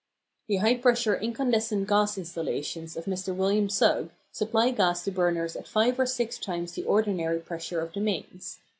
The high pressure incandescent gas installations of Mr. William Sugg supply gas to burners at five or six times the ordinary pressure of the mains.